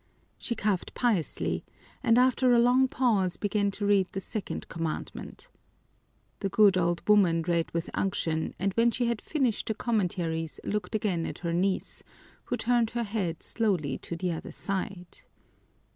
She coughed piously and after a long pause began to read the second commandment. The good old woman read with unction and when she had finished the commentaries looked again at her niece, who turned her head slowly to the other side.